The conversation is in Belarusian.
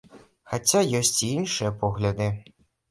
Хаця ёсць і іншыя погляды.